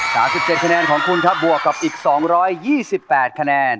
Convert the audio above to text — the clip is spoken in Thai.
๓๗คะแนนของคุณครับบวกกับอีก๒๒๘คะแนน